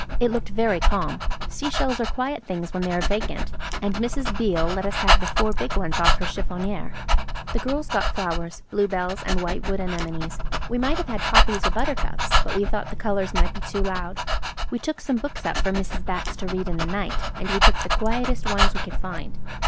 It looked very calm. Sea shells are quiet things when they are vacant, and Mrs. Beale let us have the four big ones off her chiffonnier. The girls got flowers–bluebells and white wood anemones. We might have had poppies or buttercups, but we thought the colours might be too loud. We took some books up for Mrs. Bax to read in the night. And we took the quietest ones we could find.